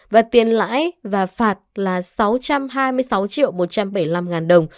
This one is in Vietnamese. vật tiền lãi và phạt là sáu trăm hai mươi sáu một trăm bảy mươi năm đồng